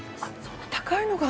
そんな高いのが。